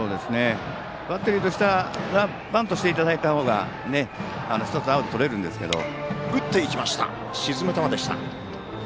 バッテリーとしてはバントしていただいた方が１つ、アウトとれるんですけど。